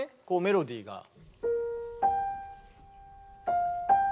こうメロディーが。